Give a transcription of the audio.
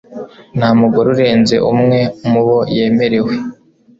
nta mugore urenze umwe mubo yemerewe